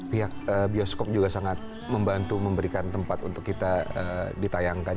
pihak bioskop juga sangat membantu memberikan tempat untuk kita ditayangkan